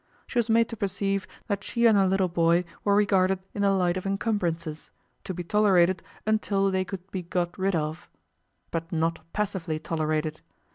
She was made to perceive that she and her little boy were regarded in the light of encumbrances, to be tolerated until they could be got rid of. But not passively tolerated.